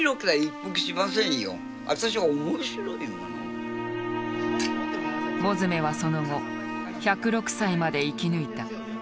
物集はその後１０６歳まで生き抜いた。